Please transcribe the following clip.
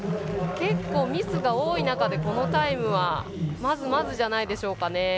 結構ミスが多い中でこのタイムはまずまずじゃないでしょうかね。